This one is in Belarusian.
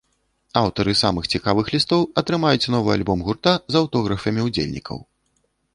Аўтары самых цікавых лістоў атрымаюць новы альбом гурта з аўтографамі ўдзельнікаў.